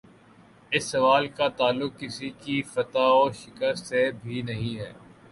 اس سوال کا تعلق کسی کی فتح و شکست سے بھی نہیں ہے۔